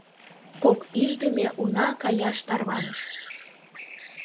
Кок ӱждымӧ уна каяш тарваныш.